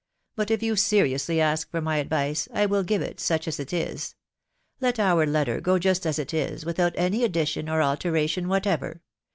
But if you seriously ask for my advice, I will give it, such as it is. Let our letter go just as it is, without any addition or alteration whatever.